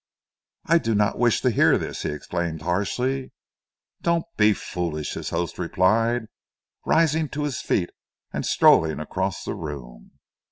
"I do not wish to hear this!" he exclaimed harshly. "Don't be foolish," his host replied, rising to his feet and strolling across the room.